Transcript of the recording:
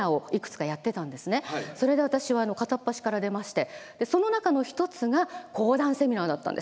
それで私は片っ端から出ましてその中の一つが講談セミナーだったんです。